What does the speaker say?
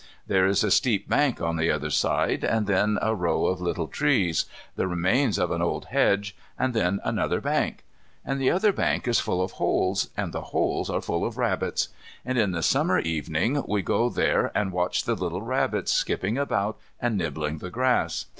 There is a steep bank on the other side and then a row of little trees, the remains of an old hedge, and then another bank. And the other bank is full of holes, and the holes are full of rabbits. And in the Summer evening we go there and watch the little rabbits skipping about and nibbling the grass.